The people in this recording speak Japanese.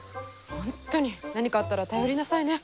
本当に何かあったら頼りなさいね。